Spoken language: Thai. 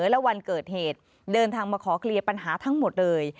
และวันเกิดเหตุเดินทางมาขอเคลียร์ปัญหาทั้งหมดเลย